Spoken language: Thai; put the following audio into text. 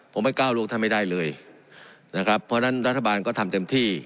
ผมไม่ก้าวล่วงท่านไม่ได้เลยนะครับเพราะฉะนั้นรัฐบาลก็ทำเต็มที่